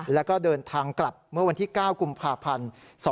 แล้วก็เดินทางกลับเมื่อวันที่๙กุมภาพันธ์